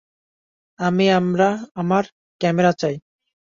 আমি আমার ক্যামেরা চাই!